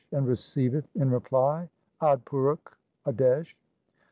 and receiveth in reply ' Adpurukh Adesh